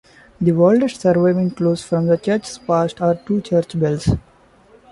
The oldest surviving clues from the church's past are two church bells.